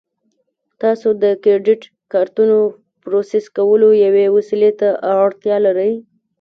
تاسو د کریډیټ کارتونو پروسس کولو یوې وسیلې ته اړتیا لرئ